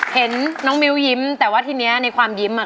เหตุการณ์วันนั้นเป็นไงคุณแม่